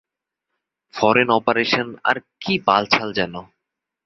Foreign operation আর কী বালছাল যেন।